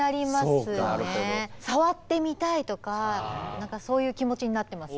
触ってみたいとか何かそういう気持ちになってます。